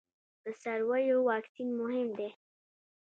د څارویو واکسین مهم دی